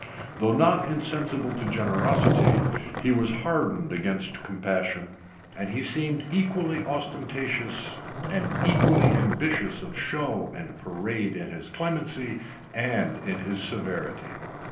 Though not insensible to generosity, he was hardened against compassion; and he seemed equally ostentatious and equally ambitious of show and parade in his clemency and in his severity.